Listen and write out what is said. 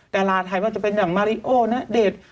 แต่ลาไทยมันจะเป็นแบบมาริโอณเดชน์